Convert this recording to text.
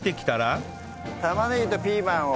玉ねぎとピーマンを。